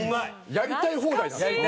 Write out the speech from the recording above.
やりたい放題なんですよ。